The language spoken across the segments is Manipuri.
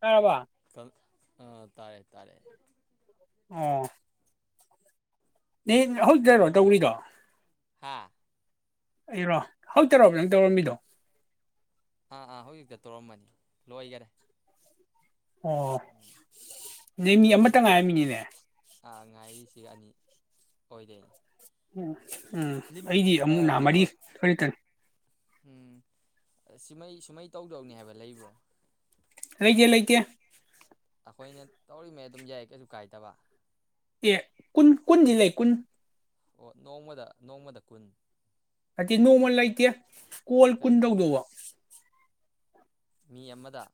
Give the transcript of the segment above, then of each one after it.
ꯇꯥꯔꯕꯣ ꯑꯥ ꯇꯥꯔꯦ ꯇꯥꯔꯦ ꯑꯣ ꯅꯩ ꯍꯧꯇꯔꯣ ꯇꯧꯔꯤꯗꯣ ꯍꯥꯥ ꯑꯩꯔꯣ ꯍꯧ ꯇꯔꯣꯕ ꯅꯪ ꯇꯧꯔꯝꯃꯤꯗꯣ ꯑꯥ ꯑꯥ ꯍꯧꯖꯤꯛꯇ ꯇꯧꯔꯝꯕꯅꯤ ꯂꯣꯏꯒꯔꯦ ꯑꯣ ꯅꯩ ꯃꯤ ꯑꯃꯇꯪ ꯉꯥꯏꯔꯝꯃꯤꯅꯤꯅꯦ ꯑꯉꯥꯏ ꯁꯤꯒ ꯑꯅꯤ ꯑꯣꯏꯗꯣꯏꯅꯤ ꯎꯝ ꯎꯝ ꯂꯤꯃꯤꯠ ꯑꯩꯗꯤ ꯑꯃꯨꯛ ꯅ ꯃꯔꯤ ꯈꯛꯇꯅꯤ ꯎꯝ ꯁꯤꯃꯩ ꯁꯨꯃꯩ ꯇꯧꯗꯧꯅꯦ ꯍꯥꯏꯕ ꯂꯩꯕ꯭ꯔꯣ ꯂꯩꯇꯦ ꯂꯩꯇꯦ ꯑꯩꯈꯣꯏꯅ ꯇꯧꯔꯤꯃꯩ ꯑꯗꯨꯝ ꯌꯥꯏ ꯀꯩꯁꯨ ꯀꯥꯏꯗꯕ ꯑꯦ ꯀꯨꯟ ꯀꯨꯟꯗꯤ ꯂꯩꯩ ꯀꯨꯟ ꯑꯣ ꯅꯣꯡꯃꯗ ꯅꯣꯡꯃꯗ ꯀꯨꯟ ꯑꯇꯤ ꯅꯣꯡꯃꯂꯩꯇꯦ ꯀꯣꯜ ꯀꯨꯟ ꯀꯩꯗ ꯇꯧꯗꯧꯕ ꯃꯤ ꯑꯃꯗ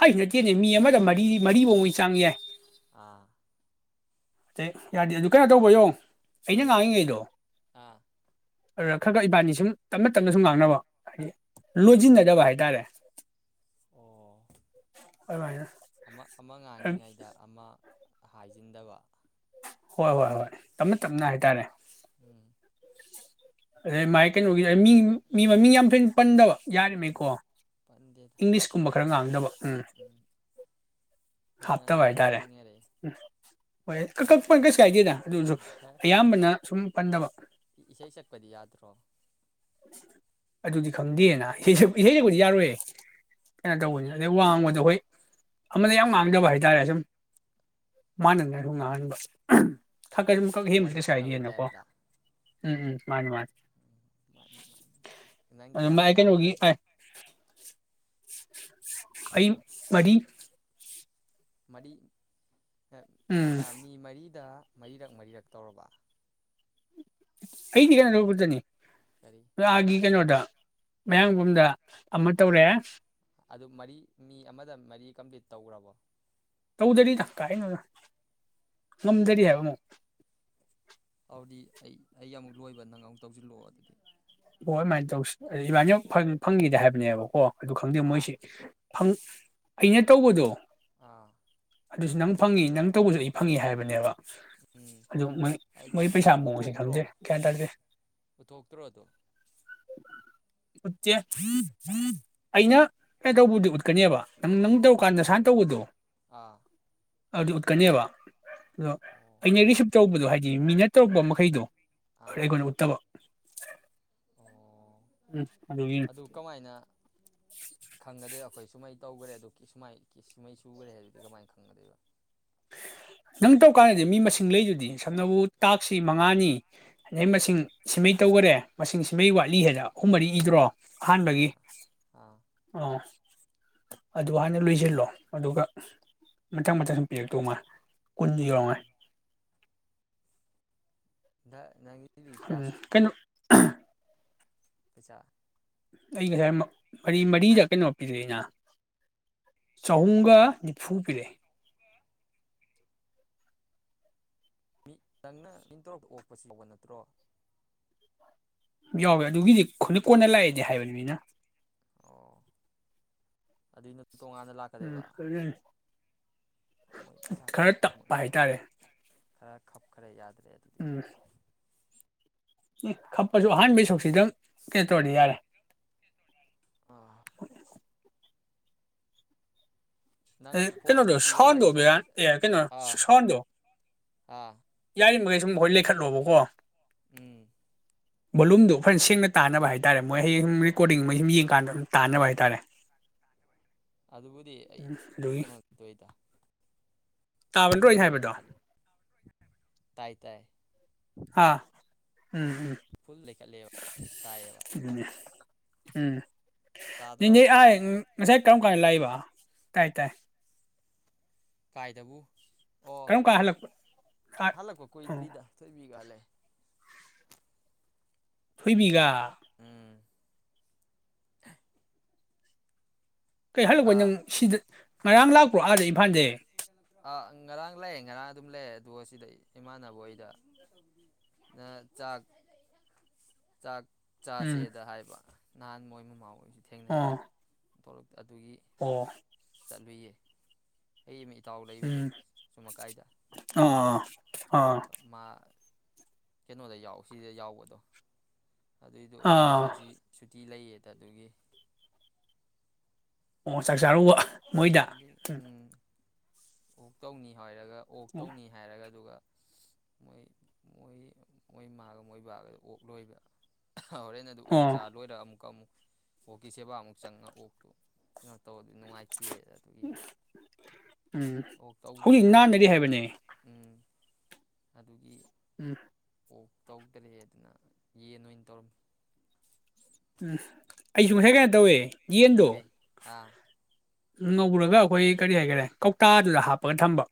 ꯍꯥꯏ ꯅꯠꯇꯦꯅꯦ ꯃꯤ ꯑꯃꯗ ꯃꯔꯤ ꯃꯔꯤꯐꯧꯃꯩ ꯆꯥꯡ ꯌꯥꯏ ꯑꯥ ꯗꯩ ꯌꯥꯗꯦ ꯑꯗꯨ ꯀꯩꯅꯣ ꯇꯧꯕꯌꯣ ꯑꯩꯅ ꯀꯩ ꯉꯥꯡꯉꯤꯉꯩꯗꯣ ꯑꯥ ꯑꯗꯨꯗ ꯈꯔ ꯈꯔ ꯏꯕꯥꯅꯤ ꯁꯨꯝ ꯇꯞꯅ ꯇꯞꯅ ꯁꯨꯝ ꯉꯥꯡꯅꯕ ꯍꯥꯏꯗꯤ ꯂꯣꯟꯁꯤꯟꯅꯗꯕ ꯍꯥꯏꯇꯥꯔꯦ ꯑꯣ ꯑꯗꯨꯃꯥꯏꯅ ꯑꯃ ꯑꯃ ꯉꯥꯡꯉꯤꯉꯩꯗ ꯑꯃ ꯍꯥꯏꯖꯤꯟꯗꯕ ꯍꯣꯏ ꯍꯣꯏ ꯍꯣꯏ ꯇꯞꯅ ꯑꯣ ꯇꯞꯅ ꯍꯥꯏꯇꯥꯔꯦ ꯎꯝ ꯑꯗꯩ ꯃꯥꯥꯏ ꯀꯩꯅꯣꯒꯤ ꯃꯤ ꯃꯤ ꯃꯃꯤꯡ ꯌꯥꯝ ꯊꯣꯏꯅ ꯄꯟꯗꯕ ꯎꯝ ꯌꯥꯔꯤꯃꯩꯀꯣ ꯄꯟꯗꯦꯗ ꯏꯪꯂꯤꯁꯀꯨꯝꯕ ꯈꯔ ꯉꯥꯡꯗꯕ ꯎꯝ ꯅꯪ ꯅꯪ ꯍꯥꯞꯇꯕ ꯍꯥꯏꯇꯥꯔꯦ ꯄꯟꯈꯔꯦ ꯎꯝ ꯍꯣꯏ ꯀꯛ ꯀꯛ ꯄꯟ ꯀꯩ ꯀꯥꯏꯗꯦꯗ ꯑꯗꯨꯁꯨ ꯑꯌꯥꯝꯕꯅ ꯁꯨꯝ ꯄꯟꯗꯕ ꯄ꯭ꯔꯣ ꯑꯗꯨꯗꯤ ꯈꯪꯗꯦꯅ ꯏꯁꯩꯁꯨꯕꯨꯗꯤ ꯌꯥꯔꯣꯏꯌꯦ ꯀꯩꯅꯣ ꯇꯧꯕꯅꯤ ꯑꯗꯩ ꯋꯥꯡꯕꯗꯣ ꯍꯣꯏ ꯑꯃꯗ ꯌꯥꯝ ꯉꯥꯡꯗꯕ ꯍꯥꯏꯇꯥꯔꯦ ꯁꯨꯝ ꯃꯥꯟꯅꯗꯅ ꯁꯨꯝ ꯉꯥꯡꯍꯟꯕ ꯊꯛꯀꯩ ꯑꯃꯈꯛ ꯍꯦꯟꯕꯦ ꯋꯥꯔꯤ ꯀꯩꯁꯥꯏꯗ ꯁꯥꯟꯅꯕꯩ ꯍꯦꯟꯅꯀꯣ ꯇꯥꯏꯞꯇ ꯎꯝꯝ ꯃꯥꯅꯤ ꯃꯥ ꯃꯥꯅꯤ ꯃꯥꯅꯤ ꯅꯪ ꯑꯗꯨ ꯀꯌꯥꯝ ꯃꯥꯏ ꯀꯩꯅꯣꯗꯤ ꯌꯥꯝꯈ꯭ꯔꯒꯦ ꯑꯏ [inaudible] ꯑꯩ ꯃꯗꯤ ꯃꯗꯤ ꯎꯝ ꯃꯤ ꯃꯔꯤꯗ ꯃꯔꯤꯔꯛ ꯃꯔꯤꯔꯛ ꯇꯧꯔꯕ ꯑꯩꯗꯤ ꯌꯥꯅ ꯍꯧꯕꯗꯨꯅꯤ ꯀꯔꯤ ꯋꯥꯔꯒꯤ ꯀꯩꯅꯣꯗ ꯃꯌꯥꯡꯒꯨꯝꯗ ꯑꯃ ꯑꯥ ꯇꯧꯔꯦ ꯑꯗꯨ ꯃꯔꯤ ꯃꯤ ꯑꯃꯗ ꯃꯔꯤ ꯀꯝꯄ꯭ꯂꯤꯠ ꯇꯧꯈ꯭ꯔꯕꯣ ꯇꯧꯗꯔꯤ ꯗ ꯀꯥꯏꯅꯣꯅ ꯉꯝꯗꯔꯤ ꯑꯣ ꯍꯥꯏꯕ ꯑꯃꯨꯛ ꯑꯗꯨꯗꯤ ꯑꯩ ꯑꯩ ꯑꯃꯨꯛ ꯂꯣꯏꯕ ꯅꯪ ꯑꯃꯨꯛ ꯇꯧꯁꯤꯜꯂꯛꯑꯣ ꯑꯗꯨꯗꯤ ꯕꯣ ꯑꯗꯨꯃꯥꯏꯅ ꯇꯧꯁꯤ ꯏꯃꯥꯟꯅ ꯐꯪꯈꯤꯗꯦ ꯍꯥꯏꯕꯅꯦꯕ ꯀꯣ ꯑꯗꯨ ꯈꯪꯗꯦ ꯍꯥ ꯃꯣꯏꯁꯦ ꯪ ꯑꯩꯅ ꯇꯧꯕꯗꯣ ꯑꯥ ꯑꯗꯨꯁꯨ ꯅꯪ ꯐꯪꯉꯤ ꯅꯪ ꯇꯧꯕꯁꯨ ꯑꯩ ꯐꯪꯏꯤ ꯍꯥꯏꯕꯅꯦꯕ ꯎꯝ ꯑꯗꯨꯃ ꯃꯣꯏ ꯃꯣꯏ ꯄꯩꯁꯥ ꯑꯗꯨ ꯑꯃꯑꯣꯡꯁꯤ ꯎꯠꯊꯣꯛꯇ꯭ꯔꯣ ꯈꯪꯗꯦ ꯒꯌ꯭ꯥꯟ ꯇꯥꯗꯦ ꯎꯠꯊꯣꯛꯇ꯭ꯔꯣ ꯑꯗꯣ ꯎꯠꯇꯦ ꯑꯩꯅ ꯀꯩꯗꯧꯕꯒꯤ ꯎꯠꯀꯅꯤꯕ ꯅꯪ ꯅꯪ ꯇꯧꯔꯀꯥꯟꯗ ꯅꯁꯥꯅ ꯇꯧꯕꯗꯣ ꯑꯥ ꯑꯗꯨ ꯎꯠꯀꯅꯦꯕ ꯑꯗꯣ ꯑꯣ ꯑꯩꯅ ꯔꯤꯁꯤꯞ ꯇꯧꯕꯗꯣ ꯍꯥꯏꯗꯤ ꯃꯤꯅꯠ ꯇꯧꯔꯛꯄ ꯃꯈꯩꯗꯣ ꯑꯥ ꯑꯩꯒꯅꯤ ꯎꯠꯇꯕꯥ ꯑꯣ ꯎꯝ ꯑꯗꯨꯒꯤꯅꯤ ꯑꯗꯨ ꯀꯃꯥꯏꯅ ꯈꯪꯒꯗꯦ ꯑꯩꯈꯣꯏ ꯁꯨꯃꯥꯏ ꯇꯧꯒꯥꯔꯦ ꯑꯗꯣ ꯀꯤꯁꯃꯥꯏ ꯀꯤꯁꯃꯩ ꯁꯨꯈ꯭ꯔꯦ ꯍꯥꯏꯗꯨꯗꯤ ꯀꯃꯥꯏꯅ ꯈꯪꯒꯗꯣꯏꯕ ꯅꯪ ꯇꯧꯔꯀꯥꯟꯗꯗꯤ ꯃꯤ ꯃꯁꯤꯡ ꯂꯩꯗꯨꯗꯤ ꯁꯝꯅꯕꯨ ꯇꯥꯛꯁꯤ ꯃꯉꯥꯅꯤ ꯑꯗꯩ ꯎꯝ ꯃꯁꯤꯡ ꯁꯤꯃꯩ ꯇꯧꯈꯔꯦ ꯃꯁꯤꯡꯁꯤꯃꯩ ꯋꯥꯠꯂꯤ ꯍꯥꯏꯗ ꯑꯍꯨꯝ ꯃꯔꯤ ꯏꯗ꯭ꯔꯣ ꯍꯟꯕꯒꯤ ꯑꯥ ꯑꯥ ꯑꯣ ꯑꯗꯨ ꯍꯥꯏꯅ ꯂꯣꯏꯁꯤꯜꯂꯣ ꯑꯗꯨꯒ ꯃꯊꯪ ꯃꯊꯪ ꯁꯨꯝ ꯄꯤꯔꯛꯇꯧ ꯉꯥꯏ ꯀꯨꯟꯗꯨ ꯌꯧꯔꯝꯉꯥꯏ ꯗ ꯎꯝ ꯀꯩꯅꯣ [inaudible] ꯈꯖꯆꯥ ꯑꯩ ꯉꯁꯥꯏ ꯃꯔꯤ ꯃꯔꯤꯗ ꯀꯩꯅꯣ ꯄꯤꯗꯏꯅ ꯆꯍꯨꯝꯒ ꯀꯌꯥ ꯅꯤꯐꯨ ꯄꯤꯔꯛꯑꯦ ꯃꯤ ꯅꯪꯅ ꯃꯤ ꯇꯔꯨꯛꯇ ꯑꯣꯛꯄꯁꯨ ꯌꯥꯎꯕ ꯅꯠꯇ꯭ꯔꯣ ꯌꯥꯎꯋꯦ ꯑꯗꯨꯒꯤꯗꯤ ꯑꯩꯅ ꯀꯣꯟꯅ ꯂꯥꯛꯑꯦꯗꯤ ꯍꯥꯏꯕꯅꯤꯅꯤꯅ ꯑꯣ ꯑꯗꯨꯅ ꯇꯣꯉꯥꯟꯅ ꯎꯝ ꯂꯥꯛꯀꯗꯕ ꯑꯗꯨꯅ ꯈꯔ ꯇꯞꯄ ꯍꯥꯏꯇꯥꯔꯦ ꯈꯔꯦ ꯌꯥꯗ꯭ꯔꯦ ꯑꯗꯨꯗꯤ ꯎꯝ ꯀꯞꯄꯁꯨ ꯑꯍꯥꯟꯕꯩ ꯁꯛꯁꯤꯗ ꯀꯦ ꯇꯧꯗꯤ ꯌꯥꯔꯦ ꯑ ꯅꯪ ꯐꯣꯟ ꯀꯩꯅꯣꯗꯣ ꯁꯤꯒ ꯁꯣꯟꯗꯣ ꯋꯥꯔꯤ ꯁꯥꯟꯅꯕꯁꯦ ꯀꯩꯅꯣ ꯑꯥ ꯁꯣꯟꯗꯣ ꯑꯥ ꯌꯥꯏꯃꯩ ꯁꯨꯝ ꯍꯣꯏ ꯂꯩꯈꯠꯂꯣꯕꯀꯣ ꯎꯝ ꯕꯣꯂꯨꯝꯗꯣ ꯐꯖꯅ ꯁꯦꯡꯅ ꯇꯥꯟꯅꯕ ꯍꯥꯏ ꯇꯥꯔꯦ ꯃꯣꯏ ꯍꯌꯦꯡ ꯁꯨꯝ ꯔꯦꯀꯣꯔꯗꯤꯡ ꯃ ꯁꯨꯝ ꯌꯦꯡꯀꯥꯟꯗ ꯑꯗꯨꯝ ꯇꯥꯟꯅꯕ ꯍꯥꯏꯇꯥꯥꯔꯦ ꯑ ꯑꯗꯨꯕꯨꯗꯤ ꯑꯩ ꯇꯣꯏꯇ ꯇꯥꯕ ꯅꯠꯇ꯭ꯔꯣ ꯑꯩꯅ ꯐꯗ ꯍꯥꯏꯕꯗꯣ ꯂꯩꯈ ꯇꯥꯏ ꯇꯥꯏ ꯑꯥ ꯎꯝ ꯎꯝ ꯐꯨꯜ ꯂꯩꯈꯠꯂꯦꯕ ꯇꯥꯏꯌꯦꯕ ꯑꯗꯨꯅꯦ ꯎꯝ ꯇꯥꯗ꯭ꯔꯣ ꯃꯤꯅ ꯑꯥꯏ ꯉꯁꯥꯏ ꯀꯝ ꯀꯟ ꯂꯛꯏꯕ ꯇꯥꯏ ꯇꯥꯏ ꯀꯥꯏꯗꯕꯨ ꯑꯣ ꯀꯔꯝ ꯀꯥꯟ ꯍꯜꯂꯛꯄ ꯑꯥ ꯍꯜꯂꯛꯄ ꯑꯣ ꯀꯨꯏꯗ꯭ꯔꯤꯗ ꯊꯣꯏꯕꯤ ꯀ ꯍꯥꯜꯂꯛꯑꯦ ꯊꯣꯏꯕꯤꯒꯥ ꯎꯝ ꯀꯩꯍꯜꯂꯛꯄꯩꯕ ꯅꯪ ꯑꯥ ꯁꯤꯗ ꯉꯔꯥꯡ ꯂꯥꯛꯄ꯭ꯔꯣ ꯑꯗ ꯏꯝꯐꯥꯜꯁꯦ ꯑꯥ ꯉꯔꯥꯡ ꯂꯛꯑꯦ ꯉꯔꯥꯡ ꯑꯗꯨꯝ ꯂꯩ ꯑꯗꯨꯒ ꯁꯤꯗꯩ ꯏꯃꯥꯟꯅꯕ ꯍꯣꯏꯗ ꯆꯥꯛ ꯆꯥꯛ ꯎꯝ ꯆꯥꯥꯁꯦꯗ ꯍꯥꯏꯕ ꯅꯍꯥꯟ ꯃꯣꯏ ꯃꯃꯥ ꯑꯣꯏꯕ ꯑꯥ ꯑꯗꯨꯒꯤ [unintelligible] ꯑꯩꯒꯤ ꯃꯤ ꯏꯇꯥꯎ ꯂꯩꯕꯗꯣ ꯎꯝ ꯆꯨꯝꯃꯀꯥꯏꯗ ꯑꯥ ꯑꯥ ꯃꯥ ꯀꯩꯅꯣꯗ ꯌꯥꯎ ꯁꯤꯗ ꯌꯥꯎꯕꯗꯣ ꯑꯗꯨꯏꯗꯣ ꯑꯥ ꯃꯥꯅ ꯁꯤ ꯇꯤ ꯂꯩꯌꯦꯗ ꯑꯗꯨꯒꯤ ꯑꯣ ꯆꯥꯛ ꯆꯥꯔꯨꯕ ꯃꯣꯏꯗ ꯎꯝ ꯑꯣꯛ ꯇꯧꯅꯤ ꯍꯥꯏꯔꯒ ꯑꯣꯛ ꯎꯝ ꯇꯧꯅꯤ ꯍꯥꯏꯔꯒ ꯑꯗꯨꯒ ꯃꯣꯏ ꯃꯣꯏ ꯃꯣꯏ ꯃꯥꯒ ꯃꯣꯏ ꯕꯥꯒ ꯑꯣꯛ ꯂꯣꯏꯕ ꯍꯣꯔꯦꯟ ꯑꯗꯨ ꯑꯣꯛ ꯑꯣ ꯆꯥ ꯂꯣꯏꯔꯒ ꯑꯃꯨꯛꯀ ꯑꯃꯨꯛ ꯑꯣꯛꯀꯤ ꯁꯦꯕꯥ ꯑꯃꯨꯛ ꯆꯪꯉ ꯑꯣꯛꯇꯨ ꯀꯩꯅꯣ ꯇꯧꯔ ꯏꯆꯦ ꯑꯗꯨꯒꯤ ꯎꯝ ꯑꯣꯛ ꯇꯧꯗ꯭ꯔꯦ ꯍꯧꯖꯤꯛ ꯅꯥꯟꯅꯔꯤ ꯍꯥꯏꯕꯅꯦ ꯎꯝ ꯑꯗꯨꯒꯤ ꯎꯝ ꯑꯣ ꯇꯧꯗꯔꯦ ꯑꯗꯨꯅ ꯌꯦꯟ ꯑꯣꯏꯅ ꯇꯧꯔꯝꯃꯤ ꯎꯝ ꯑꯩꯁꯨ ꯉꯁꯥꯏ ꯀꯥꯏ ꯇꯧꯏꯦ ꯀꯦ ꯑ ꯉꯧꯔꯒ ꯑꯩꯈꯣꯏ ꯀꯔꯤ ꯍꯥꯏꯒꯦꯔꯦ ꯀꯧꯇꯥꯗꯨꯗ ꯍꯥꯞꯄꯒ ꯊꯝꯕ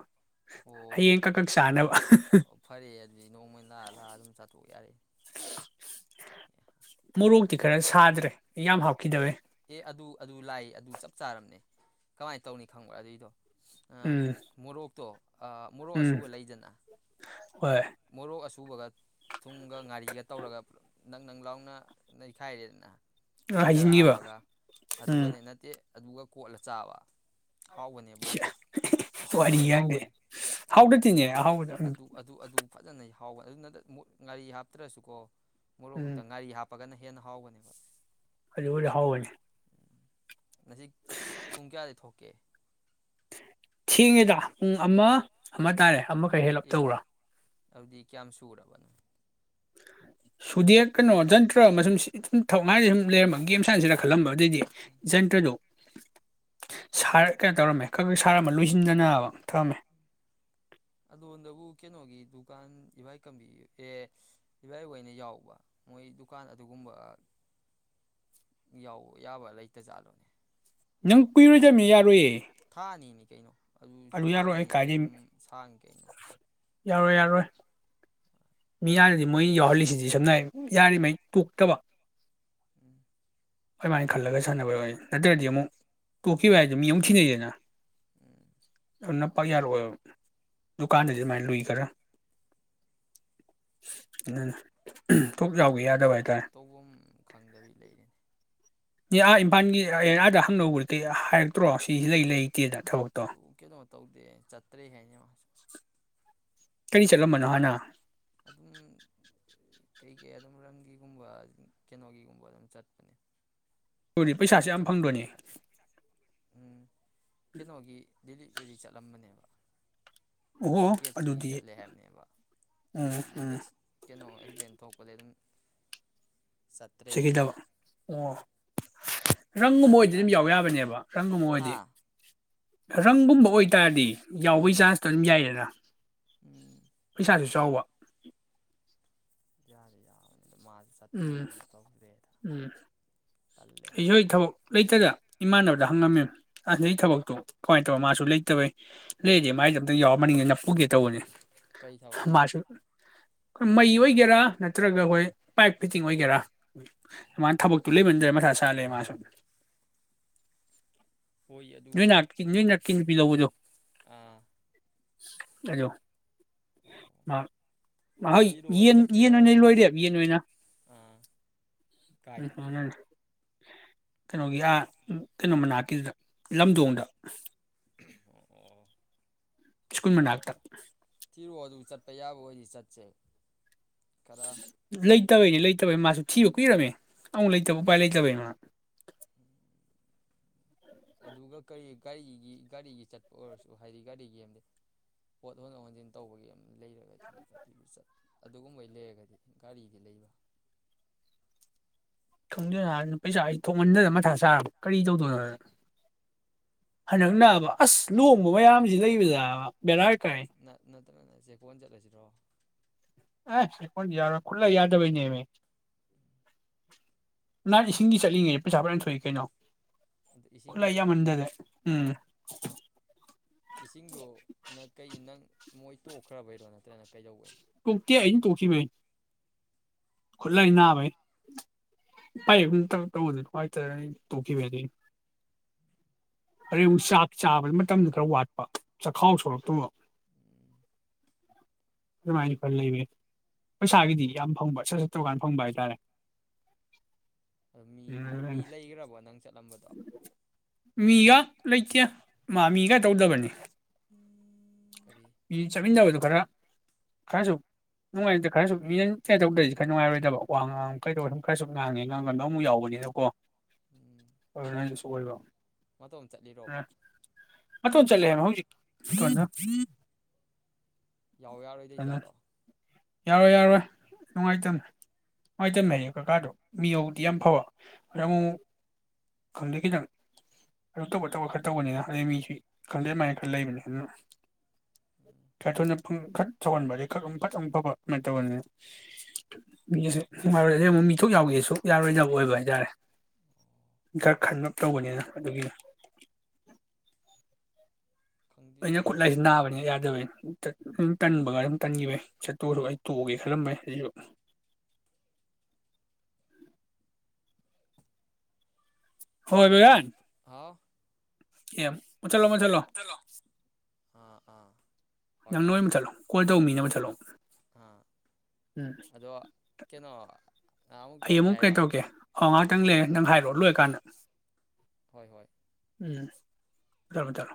ꯑꯣ ꯍꯌꯦꯡ ꯀꯛ ꯀꯛ ꯆꯥꯅꯕ ꯑꯣ ꯐꯔꯦ ꯑꯗꯨꯗꯤ ꯅꯣꯡꯃꯩꯅ ꯂꯥꯛꯑ ꯂꯥꯛꯑ ꯑꯗꯨꯝ ꯆꯥꯊꯣꯛ ꯌꯥꯔꯦ ꯃꯣꯔꯣꯛꯇꯤ ꯈꯔ ꯁꯥꯗ꯭ꯔꯦ ꯌꯥꯝ ꯍꯥꯞꯈꯤꯗꯕꯩ ꯑꯦ ꯑꯗꯨ ꯑꯗꯨ ꯂꯥꯛ ꯑꯗꯨ ꯆꯞ ꯆꯥꯔꯝꯅꯦ ꯀꯃꯥꯏꯅ ꯇꯧꯅꯤ ꯈꯪꯕ ꯑꯗꯨꯏꯗꯣ ꯑ ꯎꯝ ꯃꯣꯔꯣꯛꯇꯣ ꯃꯣꯔꯣꯛ ꯎꯝ ꯑꯁꯨꯕ ꯂꯩꯗꯅ ꯍꯣꯏ ꯃꯣꯔꯣꯛ ꯑꯁꯨꯕꯒ ꯊꯨꯝꯒ ꯉꯥꯔꯤꯒ ꯇꯧꯔꯒ ꯅꯪ ꯅꯪ ꯂꯥꯎꯅ ꯅꯩꯈꯥꯏꯔꯦꯗꯅ ꯑ ꯏꯁꯤꯡ ꯈꯔ ꯍꯥꯏꯖꯤꯅꯒꯤꯕ ꯍꯥꯞꯄꯒ ꯑꯗꯨꯒꯅꯤ ꯅꯠꯇꯦ ꯑꯗꯨꯒ ꯀꯣꯠꯂ ꯆꯥꯕ ꯍꯥꯎꯕꯅꯦꯕꯣ ꯋꯥꯔꯤ ꯑꯁꯦꯡꯕꯅꯦ ꯌꯥꯡꯗꯦ ꯍꯥꯎꯕꯅꯤ ꯑꯦ ꯍꯥꯎꯗꯇꯤꯅꯦ ꯑꯍꯥꯎꯕꯗ ꯎꯝ ꯑꯗꯨ ꯑꯗꯨ ꯑꯗꯨ ꯐꯖꯅ ꯍꯥꯎꯕ ꯑꯗꯨꯅ ꯉꯔꯤ ꯍꯥꯞꯇ꯭ꯔꯁꯨꯀꯣ ꯃꯣꯔꯣꯛ ꯎꯝ ꯀꯛꯠ ꯉꯥꯔꯤ ꯍꯥꯄ ꯄꯒꯅ ꯍꯦꯟꯅ ꯍꯥꯎꯕꯅꯤ ꯗꯨꯕꯨꯗꯤ ꯍꯥꯑꯣꯕꯅꯤ ꯉꯁꯤ ꯄꯨꯡ ꯀꯌꯥꯗꯒꯤ ꯊꯣꯛꯀꯦ ꯊꯦꯡꯉꯦꯗ ꯄꯨꯡ ꯑꯃ ꯑꯃ ꯇꯥꯔꯦ ꯑꯃꯈꯛ ꯍꯦꯜꯂꯞ ꯑꯦ ꯇꯧꯕꯔꯥ ꯑꯗꯨꯗꯤ ꯀꯌꯥꯝ ꯁꯨꯔꯕꯅꯣ ꯁꯨꯗꯦꯛ ꯀꯩꯅꯣ ꯖꯟꯇ꯭ꯔ ꯑꯃꯁꯨꯡ ꯁꯨꯝ ꯁꯨꯝ ꯊꯧ ꯃꯅ ꯁꯨꯝ ꯂꯩꯔꯝꯕ ꯒꯦꯝ ꯁꯥꯏꯟꯁꯤꯅ ꯈꯜꯂꯝꯕ ꯑꯗꯨꯗꯩꯗꯤ ꯖꯟꯇ꯭ꯔꯗꯨꯔ ꯀꯩꯅꯣ ꯇꯧꯔꯝꯃꯦ ꯈ ꯁꯥꯔꯝꯕ ꯂꯣꯏꯁꯤꯟꯗꯅꯅꯕ ꯊꯧꯔꯝꯃꯦ ꯑꯂꯣꯟꯗꯕꯨ ꯀꯩꯅꯣꯒꯤ ꯗꯨꯀꯥꯟ ꯏꯚꯥꯏ ꯀꯝꯕꯤ ꯑꯦ ꯏꯚꯥꯏ ꯍ ꯑꯣꯏꯅ ꯌꯥꯎꯕ ꯃꯣꯏ ꯗꯨꯀꯥꯟ ꯑꯗꯨꯒꯨꯝꯕ ꯌꯥꯎꯕ ꯌꯥꯕ ꯂꯩꯇꯖꯥꯠꯂꯣꯅꯦ ꯅꯪ ꯀꯨꯏꯔꯣꯏ ꯆꯕꯃꯤ ꯌꯥꯔꯣꯏꯌꯦꯦ ꯊꯥꯅꯤ ꯀꯩꯅꯣ ꯑꯗꯨꯁꯨ ꯊꯥꯡ ꯌꯥꯔꯣꯏ ꯑꯅꯤꯗꯣ ꯑꯗꯨꯝ ꯀꯥꯏꯗꯩ ꯁꯥꯡꯉ ꯀꯩꯅꯣ ꯌꯥꯔꯣꯏ ꯌꯥꯔꯣꯏ ꯃꯤ ꯌꯥꯅꯗꯤ ꯃꯣꯏ ꯌꯥꯎꯍꯜꯂꯤꯁꯤꯗꯤ ꯁꯝꯅ ꯍꯥꯏ ꯌꯥꯔꯤꯉꯩ ꯇꯣꯛꯇꯕ ꯎꯝ ꯑꯗꯨꯃꯥꯏꯅ ꯈꯜꯂꯒ ꯁꯥꯟꯅꯕꯅꯤ ꯅꯠꯇ꯭ꯔꯗꯤ ꯑꯃꯨꯛ ꯇꯣꯛꯈꯤꯕ ꯍꯥꯏꯗꯨ ꯑꯗꯨꯝ ꯌꯣ ꯊꯤꯅꯩꯗꯅ ꯎꯝ ꯅꯞꯄꯥꯛ ꯌꯥꯔꯣꯏ ꯗꯨꯀꯥꯟꯗꯗꯤ ꯑꯗꯨꯃꯥꯏꯅ ꯂꯨꯏ ꯈꯔ ꯑꯗꯨ ꯈꯪꯅꯤ ꯇꯧꯐꯝ ꯈꯪꯗꯕꯤ ꯂꯩꯔꯤꯅꯤ ꯏ ꯑꯥ ꯏꯝꯐꯥꯜꯒꯤ ꯑꯦꯌꯥꯗ ꯍꯪꯅꯧꯕꯗꯤ ꯍꯥꯏꯔꯛꯇ꯭ꯔꯣ ꯁꯤꯁꯤ ꯂꯩ ꯂꯩ ꯏꯁꯦꯗ ꯊꯕꯛ ꯇꯣ ꯑꯗꯨ ꯀꯩꯅꯣ ꯇꯧꯗꯦ ꯆꯠꯇ꯭ꯔꯦ ꯍꯥꯏ [inaudible] ꯀꯔꯤ ꯆꯠꯂꯝꯝꯕꯅꯣ ꯍꯥꯏꯅ ꯑꯗꯨꯝ ꯀꯩꯀꯩ ꯑꯗꯨꯝ ꯔꯟꯒꯤꯒꯨꯝꯕ ꯀꯩꯅꯣꯒꯤꯒꯨꯝꯕ ꯑꯗꯨꯝ ꯆꯠꯄꯅꯦ ꯑꯗꯨꯗꯤ ꯄꯩꯁꯥꯁꯨ ꯌꯥꯝ ꯐꯪꯗꯣꯏꯅꯤ ꯆꯥꯠꯇ꯭ꯔꯦꯗ ꯎꯝ ꯀꯩꯅꯣꯒꯤꯂꯤꯞ ꯌꯨꯔꯤ ꯆꯠꯂꯝꯕꯅꯦꯕ ꯑꯣꯍꯣ ꯀꯦꯞ ꯁꯤꯒꯤ ꯑꯗꯨꯗꯤ ꯆꯠꯂꯦ ꯍꯥꯏꯕꯅꯦꯕ ꯎꯝ ꯎꯝ ꯀꯩꯅꯣ ꯑꯦꯛꯁꯤꯗꯦꯟ ꯊꯣꯛꯄꯗꯒꯤ ꯑꯗꯨ ꯑꯗꯨꯝ ꯆꯠꯇ꯭ꯔꯦ ꯁꯤꯒꯤꯈꯤꯗꯕ ꯑꯣ ꯎꯝ ꯔꯪꯒꯨꯝꯕ ꯒꯥꯔꯤ ꯑꯣꯏꯗꯤ ꯑꯗꯨꯝ ꯌꯥꯎ ꯌꯥꯈꯤꯗ ꯌꯥꯕꯅꯦꯕ ꯔꯪꯒꯨꯝꯕ ꯍꯥ ꯑꯣꯏꯗꯤ ꯔꯪꯒꯨꯝꯕ ꯑꯣꯏꯇꯥꯔꯗꯤ ꯌꯥꯎꯕꯩ ꯎꯝ ꯆꯥꯟꯁꯇꯣ ꯑꯗꯨꯝ ꯌꯥꯏꯌꯦꯗ ꯎꯝ ꯄꯩꯁꯥꯗꯨꯁꯨ ꯆꯥꯎꯋ ꯌꯥꯔꯦ ꯌꯥꯎꯅꯤ ꯎꯝ ꯎꯝ ꯇꯜꯂꯦ ꯑꯩꯁꯨ ꯊꯕꯛ ꯂꯩꯇꯗ ꯏꯃꯥꯟꯅꯕꯗ ꯍꯪꯉꯝꯃꯤ ꯑꯁ ꯅꯩ ꯊꯕꯛꯇꯨ ꯀꯃꯥꯏꯅ ꯇꯧ ꯃꯥꯁꯨ ꯂꯩꯇꯕꯩ ꯂꯩꯗꯤ ꯃꯥꯏꯦ ꯑꯝꯇꯪ ꯌꯥꯎꯔ ꯃꯅꯤꯗꯅ ꯄꯨꯒꯦ ꯇꯧꯕꯅꯦ ꯀꯩ ꯊꯅ ꯍ ꯑꯩꯣꯏ ꯃꯩ ꯑꯣꯏꯒꯦꯔꯥ ꯅꯠꯇ꯭ꯔꯒ ꯑꯩꯈꯣꯏ ꯄꯥꯏꯛ ꯐꯤꯠꯇꯤꯡ ꯑꯣꯏꯒꯦꯔꯥ ꯃꯥꯅ ꯊꯕꯛꯇꯨ ꯂꯩꯃꯟꯗ꯭ꯔꯦ ꯃꯁꯥ ꯁꯥ ꯂꯩ ꯃꯥꯁꯨ ꯍꯣꯏ ꯅꯣꯏꯅꯥꯛꯀ ꯅꯣꯏꯅꯛꯀꯤ ꯅꯨꯄꯤ ꯂꯧꯕꯗꯣ ꯑ ꯑꯗꯣ ꯑꯣ ꯃ ꯃꯍꯣꯏ ꯊꯤꯔꯛꯑꯣ ꯌꯦꯟ ꯆꯠꯄ ꯌꯦꯟ ꯌꯥꯕ ꯑꯣꯏꯅ ꯑꯣꯏꯗꯤ ꯆꯠ ꯂꯣꯏꯔꯦꯕ ꯌꯦꯟ ꯑꯣꯏꯅ ꯑꯥ ꯎꯝ ꯀꯥꯏꯗ [unintelligible] ꯀꯩꯅꯣꯒꯤ ꯑꯥ ꯀꯩꯅꯣ ꯃꯅꯥꯛꯀꯤꯗꯨꯗ ꯂꯝꯗꯣꯡꯗ ꯑꯣ ꯑꯣ ꯁ꯭ꯀꯨꯜ ꯃꯅꯥꯛꯇ ꯊꯤꯔꯣꯑꯣ ꯑꯗꯨ ꯆꯠꯄ ꯌꯥꯕ ꯑꯣꯏꯗꯤ ꯆꯠꯁꯦ ꯀꯔꯥ ꯇꯕꯩꯅꯦ ꯂꯩꯇꯕꯩ ꯃꯥꯁꯨ ꯊꯤꯕ ꯀꯨꯏꯔꯝꯃꯦ ꯑꯃꯨꯛ ꯂꯩꯇꯕ ꯎꯄꯥꯏ ꯂꯩꯇꯕꯩ ꯃꯥ ꯑꯗꯨꯒ ꯀꯔꯤ ꯒꯥꯔꯤꯒꯤ ꯒꯥꯔꯤꯒꯤ ꯆꯠꯄ ꯑꯣꯏꯔꯁꯨ ꯍꯥꯏꯗꯤ ꯒꯥꯔꯤꯒꯤ ꯑꯃꯗꯤ ꯄꯣꯠ ꯍꯣꯟꯗꯣꯛ ꯍꯣꯟꯖꯤꯟ ꯇꯧꯕꯒꯤ ꯑ ꯂꯩꯔꯒꯗꯤ ꯑꯗꯨꯒꯨꯝꯕꯩ ꯂꯩꯔꯒꯗꯤ ꯒꯥꯔꯤꯗꯤ ꯂꯩꯕ ꯈꯪꯗꯦꯅꯍꯥꯟ ꯄꯩꯁꯥꯁꯤ ꯊꯣꯡꯃꯟꯗꯅ ꯃꯊꯥ ꯁꯥꯔꯕ ꯀꯔꯤ ꯇꯧꯗꯣꯏꯅꯣꯅ ꯍꯟꯗꯛ ꯅꯥꯑꯕ ꯑꯁ ꯂꯨꯍꯣꯡꯕ ꯃꯌꯥꯝꯁꯤ ꯂꯩꯕꯗꯕ ꯕꯦꯔꯥ ꯅꯠꯇ꯭ꯔ ꯀꯥꯏ ꯅꯠ ꯅꯠ ꯇ꯭ꯔꯥꯒꯅ ꯆꯦꯛꯀꯣꯟ ꯆꯠꯂꯁꯤꯔꯣ ꯑꯦ [unintelligible] ꯌꯥꯔꯣꯏ ꯈꯨꯠꯂꯥꯏ ꯌꯥꯗꯕꯩꯅꯦꯃꯤ ꯅꯍꯥꯟ ꯏꯁꯤꯡꯒꯤ ꯆꯠꯂꯤꯉꯩꯗ ꯄꯩꯁꯥ ꯐꯔꯌꯥꯝ ꯊꯣꯛꯏ ꯀꯩꯅꯣ ꯑꯗ ꯈꯨꯠꯂꯥꯏ ꯏꯁꯤꯡꯗꯣ ꯌꯥꯝꯃꯟꯗꯗꯦ ꯎꯝ ꯏꯁꯤꯡꯗꯣ ꯅꯪ ꯀꯩꯒꯤ ꯅꯪ ꯃꯣꯏ ꯇꯣꯛꯈ꯭ꯔꯥꯕꯩꯔꯣ ꯅꯠꯇ꯭ꯔꯅ ꯀꯩꯗꯧꯕꯩꯅꯣ ꯇꯣꯛꯇꯦ ꯑꯩꯅ ꯇꯣꯛꯈꯤꯕꯅꯦ ꯈꯨꯠꯂꯥꯏ ꯅꯥꯕꯩ [unintelligible] ꯇꯣꯛꯈꯤꯕꯗꯩ ꯑꯗꯩ ꯑꯃꯨꯛ ꯆꯥꯛ ꯆꯥꯕꯗ ꯃꯇꯝꯗ ꯈꯔ ꯋꯥꯠꯄ ꯆꯈꯥꯎ ꯁꯣꯔꯛꯇꯧꯕ ꯎꯝ ꯑꯗꯨꯃꯥꯏꯅ ꯈꯔ ꯂꯩꯕ ꯄꯩꯁꯥꯒꯤꯗꯤ ꯌꯥꯝ ꯐꯪꯕ ꯁꯠ ꯁꯠ ꯆꯧ ꯀꯥꯟ ꯐꯪꯕ ꯍꯥꯏꯇꯥꯔꯦ ꯑꯗꯨ ꯃꯤꯗꯤ ꯎꯝ ꯃꯤ ꯂꯩꯈ꯭ꯔꯕꯣ ꯅꯪ ꯆꯠꯂꯝꯕꯗꯣ ꯃꯤꯒ ꯂꯩꯇꯦ ꯃꯥ ꯃꯤꯒ ꯇꯧꯗꯕꯅꯤ ꯀꯔꯤ ꯃꯤ ꯆꯠꯃꯤꯟꯅꯕꯗꯨꯣ ꯈꯔ ꯈꯔꯁꯨ ꯅꯨꯡꯉꯥꯏꯇ꯭ꯔ ꯈꯔꯁꯨ ꯃꯤꯅ ꯀꯩꯗꯧꯗ꯭ꯔꯗꯤ ꯈꯔ ꯅꯨꯡꯉꯥꯏꯔꯣꯏꯗꯕ ꯋꯥ ꯉꯥꯡ ꯀꯩꯗꯧꯔ ꯁꯨꯝ ꯈꯔꯁꯨ ꯉꯥꯡꯉꯦ ꯉꯥꯡꯒꯟꯗꯣ ꯑꯃꯨꯛ ꯌꯥꯎꯕꯅꯤꯅꯀꯣ ꯎꯝ ꯑꯗꯨꯅꯁꯨ ꯑꯣꯏꯕ ꯃꯇꯣꯝ ꯆꯠꯂꯤꯔꯣꯕ ꯆꯂꯦ ꯍꯥꯏꯃꯦ ꯍꯧꯖꯤꯛ ꯇꯣꯏꯅ [unintelligible] ꯌꯥꯎ ꯌꯥꯔꯣꯏꯗꯣꯏ ꯖꯠꯂꯣ ꯌꯥꯔꯣꯏ ꯌꯥꯔꯣꯏ ꯅꯨꯡꯉꯥꯏꯇꯝꯅꯦ ꯅꯨꯡꯉꯥꯏꯇꯝꯃꯦ ꯍꯥꯏꯗꯤ ꯀꯀꯥꯗꯣ ꯃꯤ ꯌꯧꯗꯤ ꯑꯥ ꯌꯥꯝ ꯐꯕ ꯈꯔ ꯑꯃꯨꯛ ꯑꯥ ꯃꯨꯛ ꯈꯪꯗꯦ ꯈꯤꯇꯪ ꯑꯗꯨ ꯇꯧꯕ ꯇꯧꯕ ꯈꯔ ꯇꯧꯕꯅꯤꯅ ꯑꯗꯩ ꯃꯤꯁꯤ ꯈꯪꯗꯦ ꯑꯃꯥꯏꯅ ꯈꯔ ꯂꯩꯕꯅꯤ ꯑꯗꯨꯅ ꯎꯝ ꯈꯔ ꯊꯣꯏꯅ ꯐꯪ ꯈꯔ ꯊꯧꯍꯟꯕꯗꯤ ꯈꯔ ꯃꯨꯛ ꯐꯠ ꯑꯃꯨꯛ ꯈꯣꯠꯄ ꯑꯗꯨꯃꯥꯏꯅ ꯇꯧꯕꯅꯤꯅ ꯃꯤꯁꯨ ꯅꯨꯡꯉꯥꯏꯔꯣꯏ ꯑꯗꯩ ꯑꯃꯨꯛ ꯃꯤ ꯊꯣꯛ ꯌꯥꯎꯒꯦꯁꯨ ꯌꯥꯔꯣꯏꯗꯕ ꯑꯣꯏꯕ ꯍꯥꯏꯇꯥꯔꯦ ꯈꯔ ꯈꯟꯂꯞ ꯇꯧꯕꯅꯤꯅ ꯑꯗꯨꯒꯤ ꯈꯪꯗꯦꯅꯦ ꯑꯩꯅ ꯑꯩꯁꯦ ꯈꯨꯠꯂꯥꯏꯁꯤ ꯅꯥꯕꯅꯤ ꯌꯥꯗꯕꯩꯅꯤ ꯗꯨ ꯇꯟꯕꯒ ꯑꯗꯨꯝ ꯇꯟꯈꯤꯕꯩ ꯆꯠꯇꯣꯔꯁꯨ ꯑꯩ ꯇꯣꯛꯑꯒꯦ ꯈꯜꯂꯝꯃꯦ ꯑꯗꯨꯁꯨ ꯅꯣꯡꯃ ꯅꯣꯡꯃꯏ ꯍꯥꯎ ꯑꯦꯝ꯫ ꯃꯨꯊꯠꯂꯣ ꯃꯨꯊꯠꯂꯣ꯫ ꯍꯜꯂꯣ ꯑꯥ ꯑꯥ ꯍꯣꯏ ꯅꯪ ꯅꯣꯏ ꯍꯣꯏ ꯃꯨꯊꯠꯂꯣ ꯀꯣꯜ ꯇꯧ ꯃꯤꯅ ꯃꯨꯊꯠꯂꯣ ꯑꯥ ꯎꯝ ꯑꯗꯣ ꯀꯩꯅꯣ ꯑꯩ ꯇꯧꯔꯛꯀꯦ ꯑꯃꯨꯛ ꯀꯩ ꯍꯥꯏꯔꯣ ꯇꯧꯛꯀꯦ ꯑ ꯉꯥꯛꯇꯪ ꯎꯝ ꯂꯩꯔ ꯅꯪ ꯍꯥꯏꯔꯛꯑꯣ ꯂꯣꯏꯀꯥꯟꯗ꯫ ꯍꯣꯏ ꯍꯣꯏ꯫ ꯎꯝ [unintelligible]